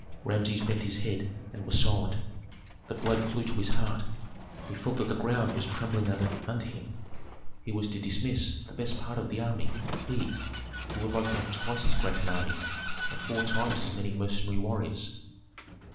Rameses bent his head, and was silent. The blood flew to his heart. He felt that the ground was trembling under him. He was to dismiss the best part of the army, he, who would like to have twice as great an army and four times as many mercenary warriors.